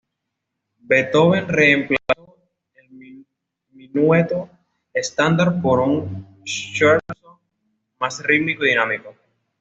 Beethoven reemplazó el minueto estándar por un "scherzo", más rítmico y dinámico.